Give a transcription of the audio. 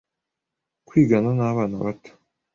kwigana n’abana bato